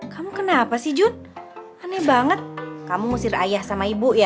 kamu kenapa sih jun aneh banget kamu ngusir ayah sama ibu ya